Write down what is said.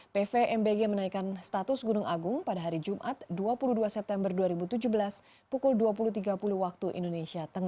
pvmbg menaikkan status gunung agung pada hari jumat dua puluh dua september dua ribu tujuh belas pukul dua puluh tiga puluh waktu indonesia tengah